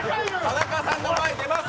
田中さんの前、出ます。